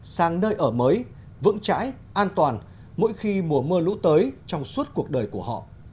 sang nơi ở mới vững chãi an toàn mỗi khi mùa mưa lũ tới trong suốt cuộc đời của họ